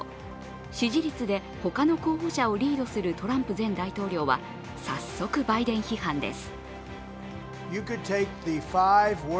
支持率で他の候補者をリードするトランプ前大統領は早速、バイデン批判です。